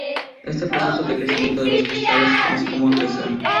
Este proceso de crecimiento de los cristales se conoce como "acreción".